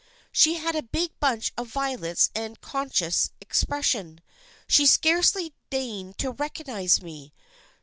She had a big bunch of violets and a conscious expression. She scarcely deigned to recognize me.